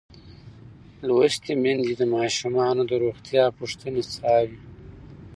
لوستې میندې د ماشومانو د روغتیا پوښتنې څاري.